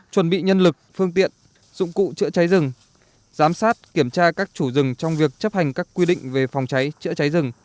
chuẩn bị nhân lực phương tiện dụng cụ chữa cháy rừng giám sát kiểm tra các chủ rừng trong việc chấp hành các quy định về phòng cháy chữa cháy rừng